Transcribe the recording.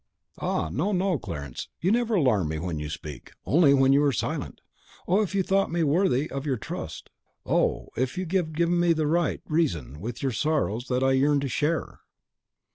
"Ah, no, no, Clarence, you never alarm me when you speak: only when you are silent! Oh, if you thought me worthy of your trust; oh, if you had given me the right to reason with you in the sorrows that I yearn to share!"